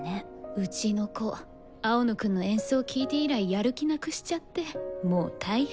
うちの子青野くんの演奏聴いて以来やる気なくしちゃってもう大変よ。